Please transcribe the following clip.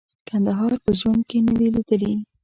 کندهار په ژوند کې نه وې لیدلي.